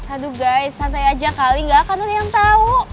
aduh guy santai aja kali gak akan ada yang tahu